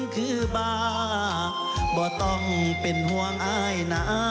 คือบ้าบ่ต้องเป็นห่วงอายนะ